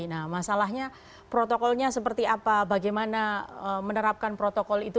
nah masalahnya protokolnya seperti apa bagaimana menerapkan protokol itu